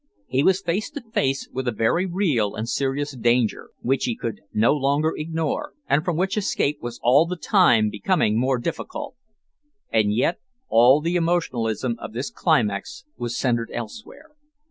He was face to face with a very real and serious danger, which he could no longer ignore, and from which escape was all the time becoming more difficult. And yet all the emotionalism of this climax was centred elsewhere.